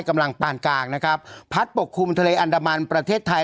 ปานกลางนะครับพัดปกคลุมทะเลอันดามันประเทศไทย